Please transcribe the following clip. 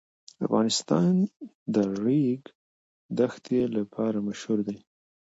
افغانستان د ریګ دښتې لپاره مشهور دی.